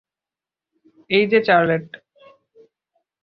এই যে চার্লেট।